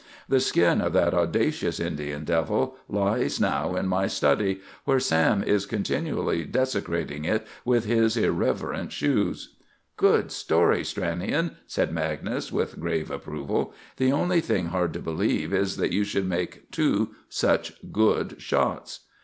The skin of that audacious Indian devil lies now in my study, where Sam is continually desecrating it with his irreverent shoes." "Good story, Stranion," said Magnus with grave approval. "The only thing hard to believe is that you should make two such good shots."